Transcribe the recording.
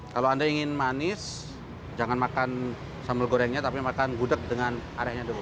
kalau anda ingin manis jangan makan sambal gorengnya tapi makan gudeg dengan areanya dulu